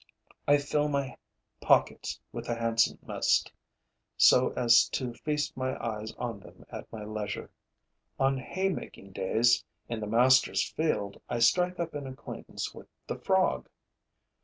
I fill my pockets with the handsomest, so as to feast my eyes on them at my leisure. On hay making days in the master's field, I strike up an acquaintance with the frog.